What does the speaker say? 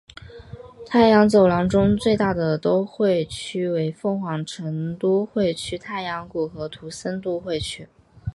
太阳走廊中最大的都会区为凤凰城都会区太阳谷和图森都会区。